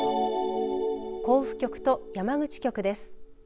甲府局と山口局です。